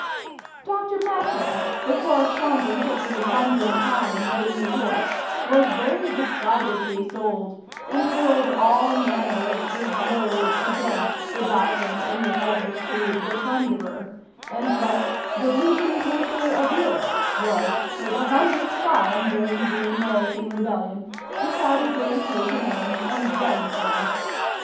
Dr. Mackay, the correspondent of the "London Times," in New York, was very decidedly sold, and hurled all manner of big words against the doctrine in his letters to "The Thunderer;" and thus "the leading paper of Europe" was, for the hundredth time during the American Rebellion, decidedly taken in and done for.